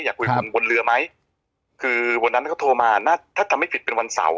อยากคุยกับผมวนเรือไหมคือวันนั้นเขาโรม่าถัดทำให้ผิดเบนวันเสาร์